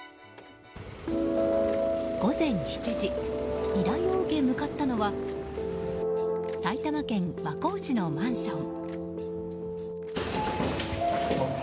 午前７時依頼を受け、向かったのは埼玉県和光市のマンション。